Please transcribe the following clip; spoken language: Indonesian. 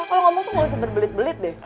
kalau ngomong tuh gak usah berbelit belit deh